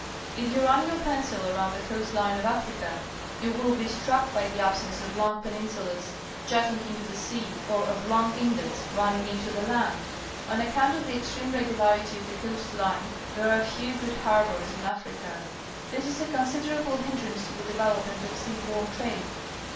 If you run your pencil around the coast Une of .Africa, you will be struck by the absence of long peninsulas jutting into the sea or of long inlets run ning into the land. On account of the ex treme regularity jaL the coast line, _ thei'e are few good harbours in Afrij3.a. This is a considerable hin drance to the devel opment of .sea borne trade.